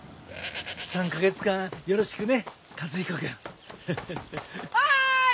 ３か月間よろしくね和彦君。おい！